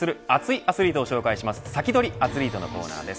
アツリートのコーナーです。